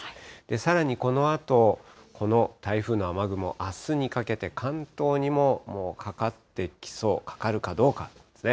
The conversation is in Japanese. さらにこのあと、この台風の雨雲、あすにかけて関東にももうかかってきそう、かかるかどうかですね。